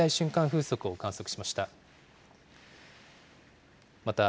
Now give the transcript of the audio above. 風速を観測しました。